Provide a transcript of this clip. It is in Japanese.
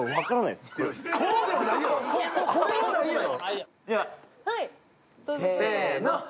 これはないやろ。